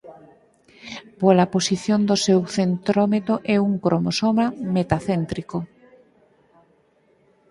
Pola posición do seu centrómero é un cromosoma metacéntrico.